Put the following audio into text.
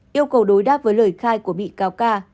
yêu cầu đối đáp với lời khai của bị cáo ca